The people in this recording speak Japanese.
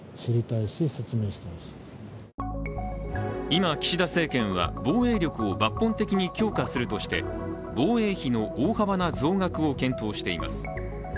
今、岸田政権は防衛力を抜本的に強化するとして防衛費の大幅な増額を検討しています。